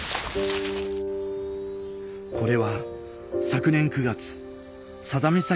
これは昨年９月佐田岬